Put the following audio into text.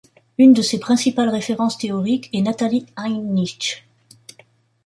Une de ses principales références théoriques est Nathalie Heinich.